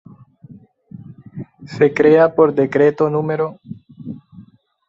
Se crea por Decreto No.